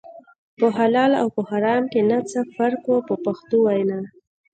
په حلال او په حرام کې نه څه فرق و په پښتو وینا.